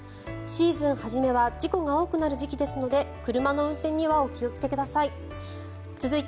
シーズン初めは事故が多くなる時期ですので車の運転にはお気をつけください。